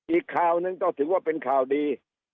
อีกข่าวหนึ่งก็ถือว่าเป็นข่าวดี